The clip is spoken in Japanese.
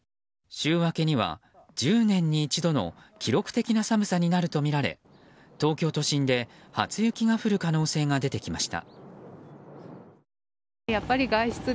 週明けには１０年に一度の記録的な寒さになるとみられ東京都心で初雪が降る可能性が出てきました。